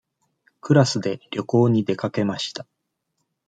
クラスで旅行に出かけました。